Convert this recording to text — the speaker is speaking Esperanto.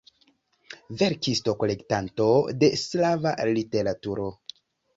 Verkisto, kolektanto de slava literaturo.